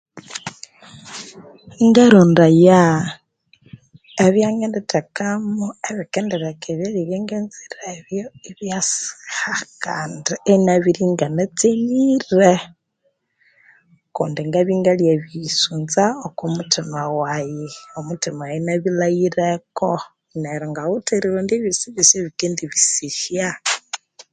Ngarondaya ebyangindithekamu ebikindileka ebyalya ebyanganzire ebyo ebyasigha Kandi ingabirya inganatsemire kundi ngabya ingabiyisunza omomuthima waghe omuthima waghe inabilaghireko neryo ngawithe erondya ebyosibyosi eribisihya